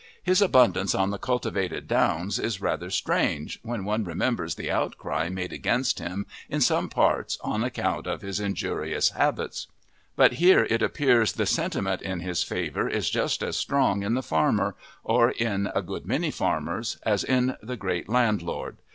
His abundance on the cultivated downs is rather strange when one remembers the outcry made against him in some parts on account of his injurious habits; but here it appears the sentiment in his favour is just as strong in the farmer, or in a good many farmers, as in the great landlord.